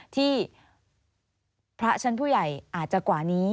ที่พระชั้นผู้ใหญ่อาจจะกว่านี้